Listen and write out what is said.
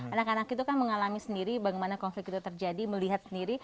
anak anak itu kan mengalami sendiri bagaimana konflik itu terjadi melihat sendiri